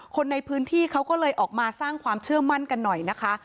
คนในพื้นที่เขาก็เลยออกมาสร้างความเชื่อมั่นกันหน่อยนะคะ